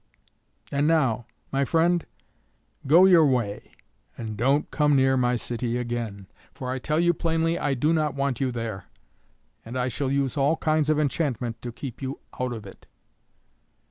"And now, my friend, go your way, and don't come near my city again, for I tell you plainly I do not want you there, and I shall use all kinds of enchantment to keep you out of it."